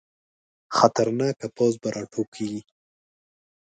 خطرناکه پوځ به راوټوکېږي.